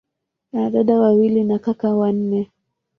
Ana dada wawili na kaka wanne.